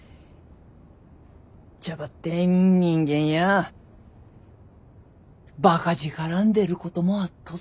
じゃばってん人間やバカ力ん出ることもあっとぞ。